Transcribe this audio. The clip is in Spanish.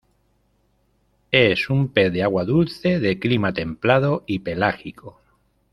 Es un pez de agua dulce, de clima templado y pelágico.